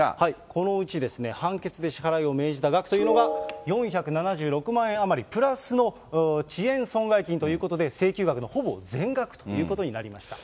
このうちですね、判決で支払いを命じた額というのは４７６万円余りプラスの遅延損害金ということで、請求額のほぼ全額ということになりました。